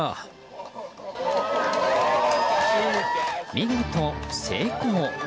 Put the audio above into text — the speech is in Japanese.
見事、成功。